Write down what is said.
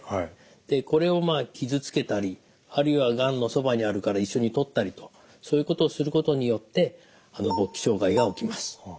でこれを傷つけたりあるいはがんのそばにあるから一緒に取ったりとそういうことをすることによって勃起障害が起きます。